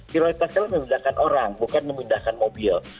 prioritasnya memindahkan orang bukan memindahkan mobil